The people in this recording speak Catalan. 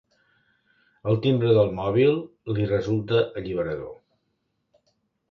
El timbre del mòbil li resulta alliberador.